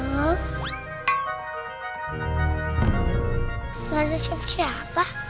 nggak ada siapa siapa